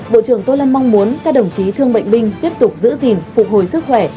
bộ trưởng tô lâm mong muốn các đồng chí thương bệnh binh tiếp tục giữ gìn phục hồi sức khỏe